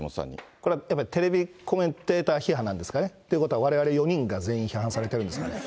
これ、やっぱりテレビコメンテーター批判なんですかね。ということはわれわれ４人が全員批判されてるんですかね。